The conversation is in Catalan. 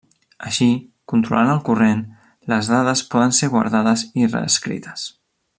Així, controlant el corrent, les dades poden ser guardades i reescrites.